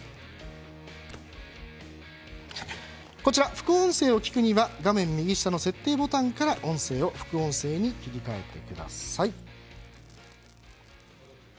副音声を聞くには、画面右下の設定ボタンから、音声を副音声に切り替えてください。